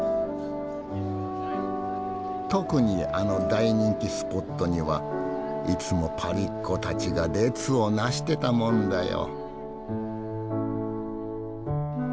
特にあの大人気スポットにはいつもパリっ子たちが列を成してたもんだよ。